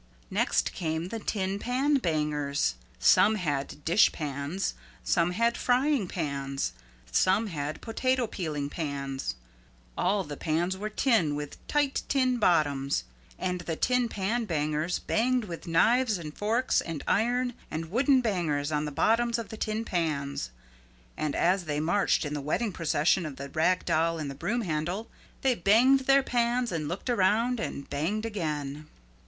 Next came the Tin Pan Bangers. Some had dishpans, some had frying pans, some had potato peeling pans. All the pans were tin with tight tin bottoms. And the Tin Pan Bangers banged with knives and forks and iron and wooden bangers on the bottoms of the tin pans. And as they marched in the wedding procession of the Rag Doll and the Broom Handle they banged their pans and looked around and banged again.